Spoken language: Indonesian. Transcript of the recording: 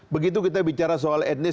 begitu kita bicara soal etnis